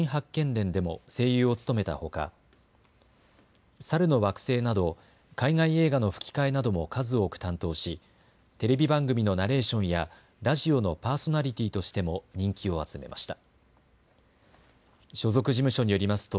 伝でも声優を務めたほか猿の惑星など海外映画の吹き替えなども数多く担当しテレビ番組のナレーションやラジオのパーソナリティーとしても人気を集めました。